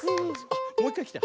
あっもういっかいきた。